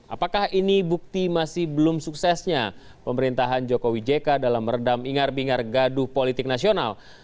apakah ini bukti masih belum suksesnya pemerintahan jokowi jk dalam meredam ingar bingar gaduh politik nasional